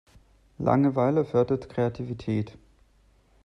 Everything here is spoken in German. Langeweile fördert Kreativität.